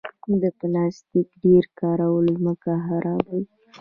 د پلاستیک ډېر کارول ځمکه خرابوي.